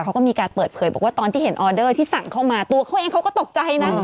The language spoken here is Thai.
เขาก็มีการเปิดเผยบอกว่าตอนที่เห็นออเดอร์ที่สั่งเข้ามาตัวเขาเองเขาก็ตกใจนะ